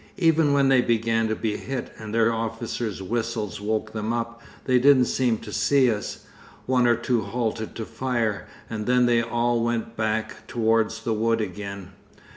Even when they began to be hit, and their officers' whistles woke them up, they didn't seem to see us. One or two halted to fire, and then they all went back towards the wood again.